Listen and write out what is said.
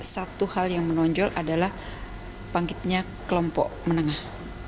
satu hal yang menonjol adalah pangkitnya kelompok menengah